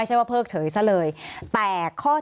สวัสดีครับทุกคน